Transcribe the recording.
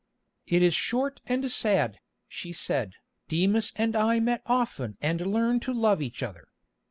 "It is short and sad," she said. "Demas and I met often and learned to love each other.